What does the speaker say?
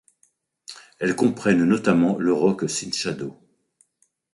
Elles comprennent notamment le Roque Cinchado.